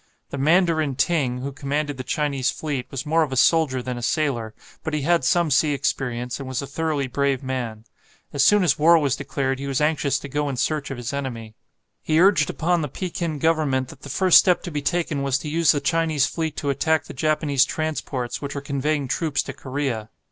The Mandarin Ting, who commanded the Chinese fleet, was more of a soldier than a sailor, but he had some sea experience, and was a thoroughly brave man. As soon as war was declared he was anxious to go in search of his enemy. He urged upon the Pekin Government that the first step to be taken was to use the Chinese fleet to attack the Japanese transports, which were conveying troops to Korea.